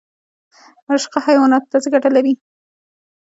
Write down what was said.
رشقه حیواناتو ته څه ګټه لري؟